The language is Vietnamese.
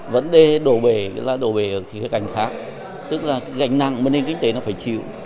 vấn đề đổ bể đó là đổ bể ở khía cạnh khác tức là cái gánh nặng mà nền kinh tế nó phải chịu